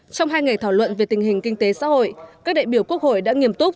trong hai ngày thảo luận về tình hình kinh tế xã hội các đại biểu quốc hội đã nghiêm túc